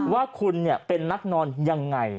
ว่าคุณเป็นนักนอนยังไง